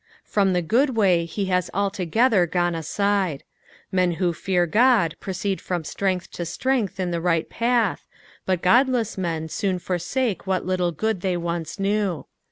From the good way he has altogether gone aside. Uen who fear God proceed from strength to strength in the right path, but godless men Boon forsake what little good they once knew.